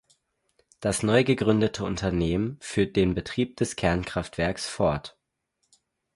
Das neu gegründete Unternehmen führt den Betrieb des Kernkraftwerkes fort.